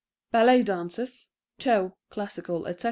{Ballet Dances (Toe, Classical, Etc.)